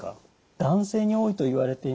男性に多いといわれています。